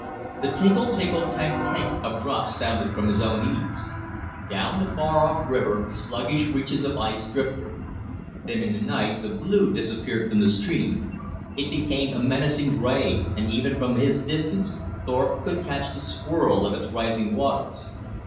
The tinkle tinkle tank tank of drops sounded from his own eaves. Down the far off river, sluggish reaches of ice drifted. Then in a night the blue disappeared from the stream. It became a menacing gray, and even from his distance Thorpe could catch the swirl of its rising waters.